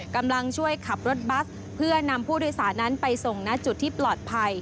กำลังช่วยขับรถบัสเพื่อนำผู้โดยสารนั้นไปส่งณจุดที่ปลอดภัย